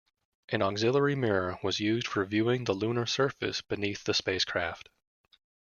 An auxiliary mirror was used for viewing the lunar surface beneath the spacecraft.